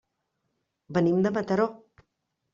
Venim de Mataró.